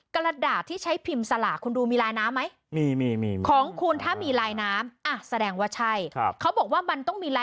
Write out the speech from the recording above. กระดาษที่ใช้พิมพ์สลากคุณดูมีลายน้ำไหม